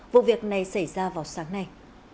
vụ việc này xảy ra vào sáng nay